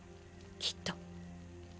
きっと。